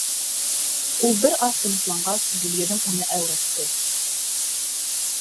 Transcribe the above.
Ул бер аҙ тынысланғас, Гөлйөҙөм уны әүрәтте: